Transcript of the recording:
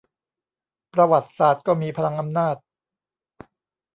ประวัติศาสตร์ก็มีพลังอำนาจ